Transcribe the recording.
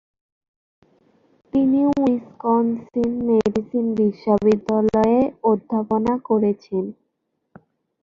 তিনি উইসকনসিন-মেডিসন বিশ্ববিদ্যালয়ে অধ্যাপনা করেছেন।